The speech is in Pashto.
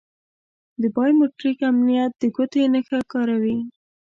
د بایو میتریک امنیت د ګوتې نښه کاروي.